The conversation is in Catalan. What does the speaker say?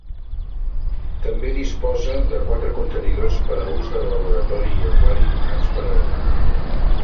També disposa de quatre contenidors per a ús de laboratori i aquari donats per Alemanya.